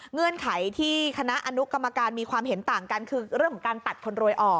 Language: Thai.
เงื่อนไขที่คณะอนุกรรมการมีความเห็นต่างกันคือเรื่องของการตัดคนรวยออก